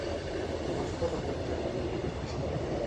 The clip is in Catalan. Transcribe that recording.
Com es pot apuntar qui vulgui participar?